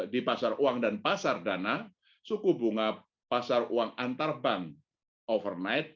di pasar uang dan pasar dana suku bunga pasar uang antar bank overnight